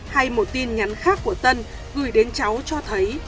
hay một tin nhắn khác của tân gửi đến cháu cho thấy